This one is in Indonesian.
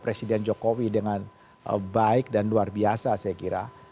presiden jokowi dengan baik dan luar biasa saya kira